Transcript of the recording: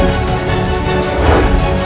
kau pikir aku takut